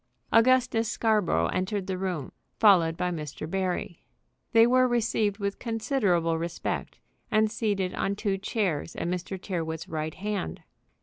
Augustus Scarborough entered the room, followed by Mr. Barry. They were received with considerable respect, and seated on two chairs at Mr. Tyrrwhit's right hand.